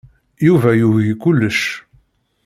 Yuba yugi kullec.